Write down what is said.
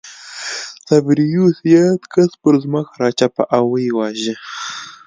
تبریوس یاد کس پر ځمکه راچپه او ویې واژه